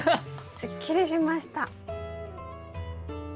すっきりしました。